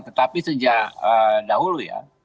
tetapi sejak dahulu ya